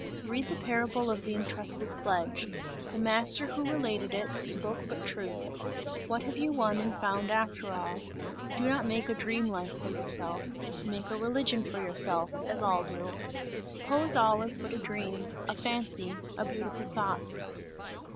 Read the parable of the entrusted pledge. The Master who related it, spoke but truth! What have you won and found after all? Do not make a dream life for yourself! Make a religion for yourself, as all do. Suppose all is but a dream, a fancy, a beautiful thought!"